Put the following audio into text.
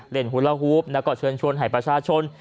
เล่นหุลหลาวฮูบแล้วก็เชิญชวนให้ประชาชน